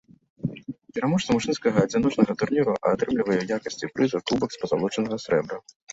Пераможца мужчынскага адзіночнага турніру атрымлівае ў якасці прыза кубак з пазалочанага срэбра.